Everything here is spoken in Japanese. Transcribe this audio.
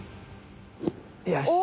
よし！